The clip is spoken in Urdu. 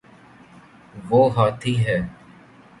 وہ ہاتھی ہے